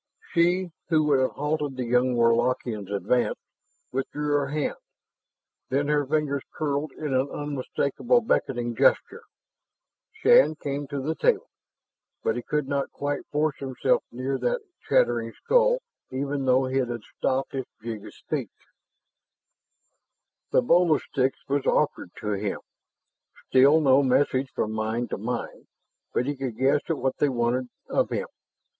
She who would have halted the young Warlockian's advance, withdrew her hand. Then her fingers curled in an unmistakable beckoning gesture. Shann came to the table, but he could not quite force himself near that chattering skull, even though it had stopped its jig of speech. The bowl of sticks was offered to him. Still no message from mind to mind, but he could guess at what they wanted of him.